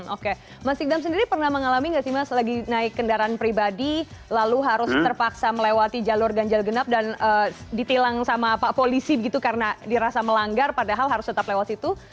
oke mas sikdam sendiri pernah mengalami nggak sih mas lagi naik kendaraan pribadi lalu harus terpaksa melewati jalur ganjil genap dan ditilang sama pak polisi begitu karena dirasa melanggar padahal harus tetap lewat situ